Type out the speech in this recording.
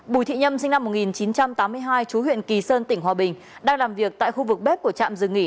bùi thị nhâm sinh năm một nghìn chín trăm tám mươi hai chú huyện kỳ sơn tỉnh hòa bình đang làm việc tại khu vực bếp của trạm rừng nghỉ